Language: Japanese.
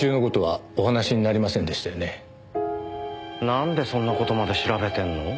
なんでそんな事まで調べてんの？